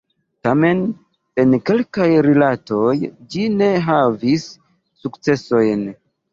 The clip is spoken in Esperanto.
Tamen en kelkaj rilatoj ĝi ne havis sukcesojn.